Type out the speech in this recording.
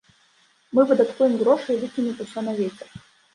Мы выдаткуем грошы і выкінем усё на вецер.